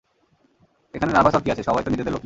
এখানে নার্ভাস হওয়ার কী আছে, সবাই তো নিজেদের লোকেই।